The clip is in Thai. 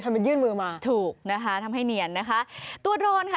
มายื่นมือมาถูกนะคะทำให้เนียนนะคะตัวโดรนค่ะ